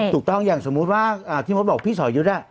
อย่างสมมุติว่าพี่มดบอกพี่สอยุทธ์